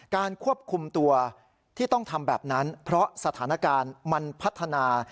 ควบคุมตัวที่ต้องทำแบบนั้นเพราะสถานการณ์มันพัฒนา